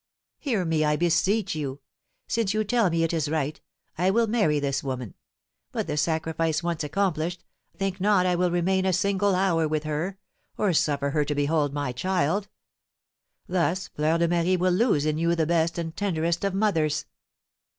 "Hear me, I beseech you, since you tell me it is right, I will marry this woman; but the sacrifice once accomplished, think not I will remain a single hour with her, or suffer her to behold my child; thus Fleur de Marie will lose in you the best and tenderest of mothers."